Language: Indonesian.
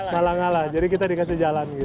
malang ngalah jadi kita dikasih jalan